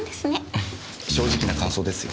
正直な感想ですよ。